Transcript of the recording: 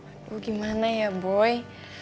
aduh gimana ya boy